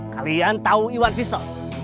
kalian tau iwan fisto